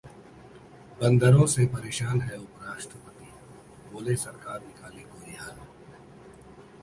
बंदरों से परेशान हैं उपराष्ट्रपति, बोले- सरकार निकाले कोई हल